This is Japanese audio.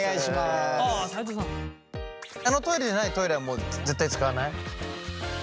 あのトイレじゃないトイレはもう絶対使わない？